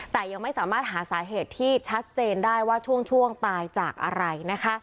แต่ยังไม่สามารถหาสาเหตุที่ชัดเจนได้ว่าช่วงตายจากอะไรนะคะ